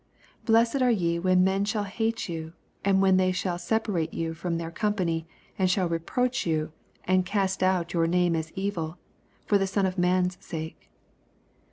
22 Blessed are ye when men shall hate you, and when they shall sepa rate you from their company^ and ghiUl reproach you, and cast out your name as evil, for the Son of Man^s sake.